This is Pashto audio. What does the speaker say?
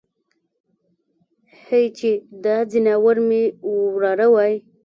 هی چې دا ځناور مې وراره وای.